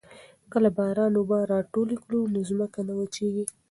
که باران اوبه راټولې کړو نو ځمکه نه وچیږي.